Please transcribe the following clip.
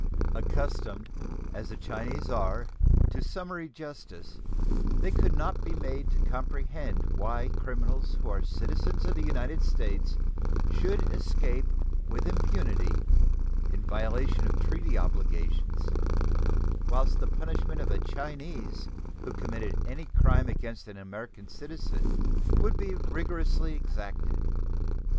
Accustomed, as the Chinese are, to summary justice, they could not be made to comprehend why criminals who are citizens of the United States should escape with impunity, in violation of treaty obligations, whilst the punishment of a Chinese who had committed any crime against an American citizen would be rigorously exacted.